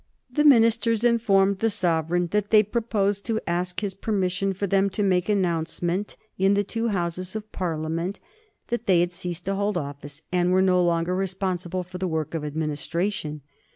The ministers informed the sovereign that they proposed to ask his permission for them to make announcement in the two Houses of Parliament that they had ceased to hold office and were no longer responsible for the work of administration.